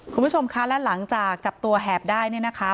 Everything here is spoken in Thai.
คุณผู้ชมคะและหลังจากจับตัวแหบได้เนี่ยนะคะ